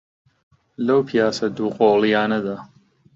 لەو پیاسە دووقۆڵییانەدا،